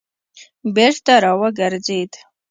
بېرته را وګرځېد.